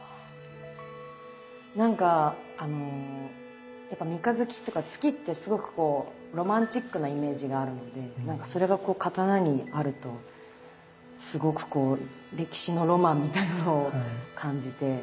なんかあのやっぱ三日月とか月ってすごくこうロマンチックなイメージがあるのでなんかそれがこう刀にあるとすごくこう歴史のロマンみたいなのを感じて。